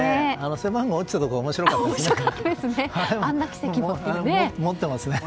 背番号が落ちたところ面白かったですね。